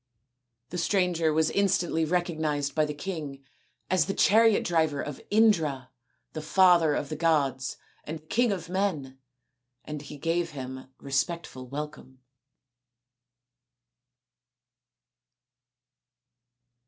The stranger was instantly recognised by the king as the chariot driver of Indra, the father of the gods and king of men, and he gave him respectful welcome.